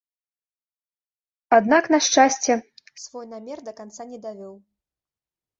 Аднак, на шчасце, свой намер да канца не давёў.